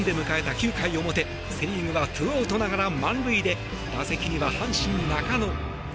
９回表セ・リーグはツーアウトながら満塁で打席には阪神、中野。